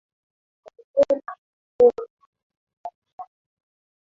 kwa tuhuma ya kufuru ya kujilinganisha na Mungu